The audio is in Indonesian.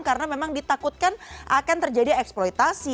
karena memang ditakutkan akan terjadi eksploitasi